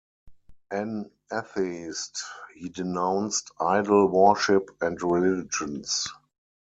An atheist, he denounced idol worship and religions.